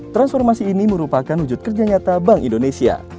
transformasi ini merupakan wujud kerja nyata bank indonesia